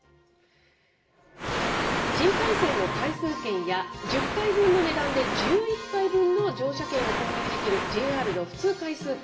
新幹線の回数券や、１０回分の値段で１１回分の乗車券を購入できるＪＲの普通回数券。